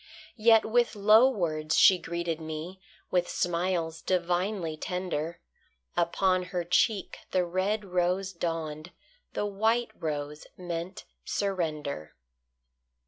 Yet with low words she greeted me, With smiles divinely tender; Upon her cheek the red rose dawned, The white rose meant surrender.